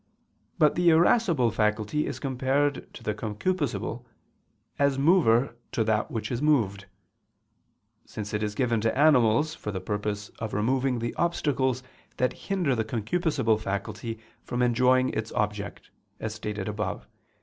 But the irascible faculty is compared to the concupiscible, as mover to that which is moved: since it is given to animals, for the purpose of removing the obstacles that hinder the concupiscible faculty from enjoying its object, as stated above (Q.